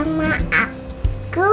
nama aku rena